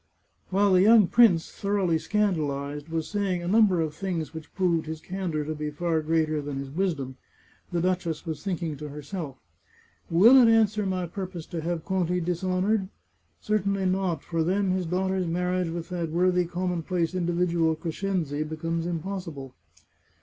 While the young prince, thoroughly scandalized, was saying a number of things which proved his candour to be far greater than his wisdom, the duchess was thinking to herself. " Will it answer my purpose to have Conti dishonoured ? Certainly not, for then his daughter's marriage with that worthy commonplace individual Crescenzi becomes impos sible."